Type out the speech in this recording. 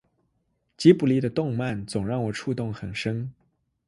吉卜力的动漫总让我触动很深